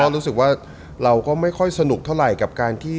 เราก็ไม่ค่อยสนุกเท่าไหร่กับการที่